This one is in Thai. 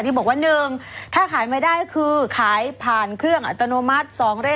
ที่บอกว่า๑ถ้าขายไม่ได้ก็คือขายผ่านเครื่องอัตโนมัติ